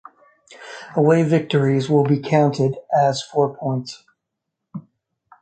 Away victories will be counted as four points.